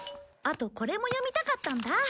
あとこれも読みたかったんだ。